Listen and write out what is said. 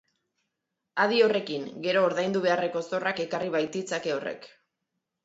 Adi horrekin, gero ordaindu beharreko zorrak ekarri baititzake horrek.